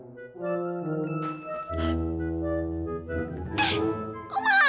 kau malah aku sih yang dipukul